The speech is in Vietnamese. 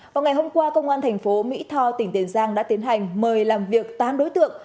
vào ngày hôm qua công an thành phố mỹ tho tỉnh tiền giang đã tiến hành mời làm việc tám đối tượng